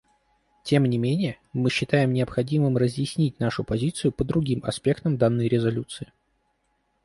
Тем не менее, мы считаем необходимым разъяснить нашу позицию по другим аспектам данной резолюции.